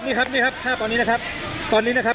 นี่ครับนี่ครับภาพตอนนี้นะครับตอนนี้นะครับ